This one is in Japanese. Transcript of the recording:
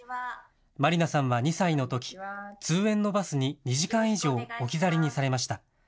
まりなさんは２歳のとき、通園のバスに２時間以上、置き去りにされました。